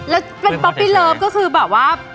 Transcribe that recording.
แล้วเป็นป๊อปปี้เลิฟก็คือแบบว่า